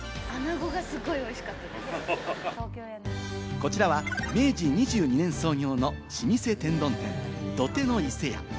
こちらは明治２２年創業の老舗天丼店・土手の伊勢屋。